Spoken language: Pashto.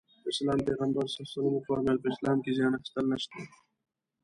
د اسلام پيغمبر ص وفرمايل په اسلام کې زيان اخيستل نشته.